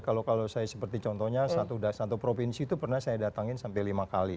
kalau saya seperti contohnya satu provinsi itu pernah saya datangin sampai lima kali